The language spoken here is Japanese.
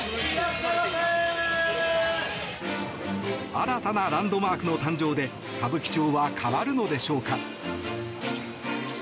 新たなランドマークの誕生で歌舞伎町は変わるのでしょうか？